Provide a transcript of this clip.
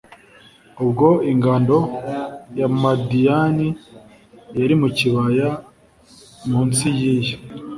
ubwo ingando ya madiyani yari mu kibaya, mu nsi y'iye